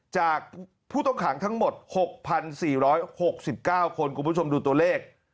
จากผู้ต้องหางทั้งหมดหกพันสี่ร้อยหกสิบเก้าคนคุณผู้ชมดูตัวเลข